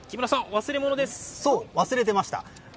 忘れてました。